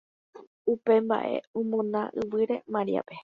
Upe mbaʼe omona yvýre Mariápe.